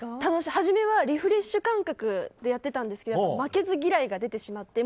はじめはリフレッシュ感覚でやっていたんですが負けず嫌いが出てしまって